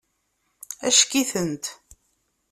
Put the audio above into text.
Acek-itent.